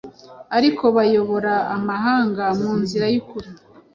Ariko kuyobora Amahanga munzira yukuri